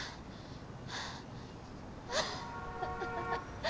ハハハハ！